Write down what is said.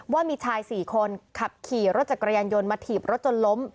ว่ามีชาย๔คนขับขี่รถจักรยานยนต์มาถีบรถจนล้ม